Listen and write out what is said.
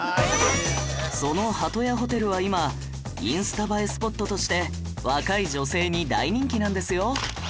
そのハトヤホテルは今インスタ映えスポットとして若い女性に大人気なんですよ